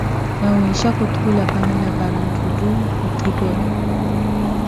Nawiixha khuthula panela para ntthutthu khuthipela.